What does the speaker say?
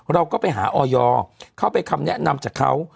เราก็ไปหาออยเข้าไปคำแนะนำจากเขา